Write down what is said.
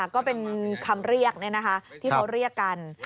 ก็เป็นคำเรียกที่เขาเรียกกัน